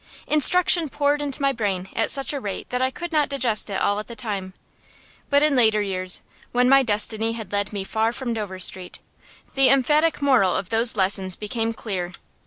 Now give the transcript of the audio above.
Instruction poured into my brain at such a rate that I could not digest it all at the time; but in later years, when my destiny had led me far from Dover Street, the emphatic moral of those lessons became clear.